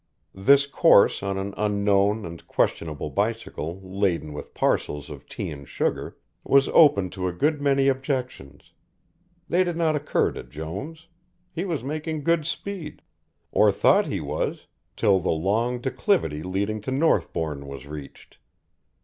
This course on an unknown and questionable bicycle laden with parcels of tea and sugar, was open to a good many objections; they did not occur to Jones; he was making good speed, or thought he was till the long declivity leading to Northbourne was reached.